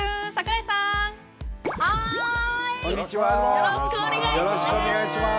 よろしくお願いします！